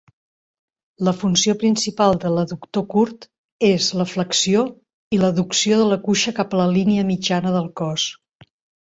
La funció principal de l'adductor curt és la flexió i l'adducció de la cuixa cap a la línia mitjana del cos.